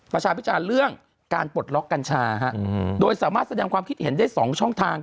ประชาพิจารณ์เรื่องการปลดล็อกกัญชาโดยสามารถแสดงความคิดเห็นได้๒ช่องทาง